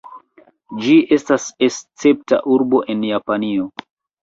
Ĝi estas Escepta urbo en Japanio.